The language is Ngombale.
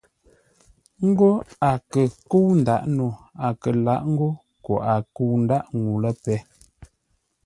Ńgó a kə kə́u ńdǎʼ no a kə lǎʼ ńgó koo a kə̂u ńdáʼ ŋuu lə́ péh.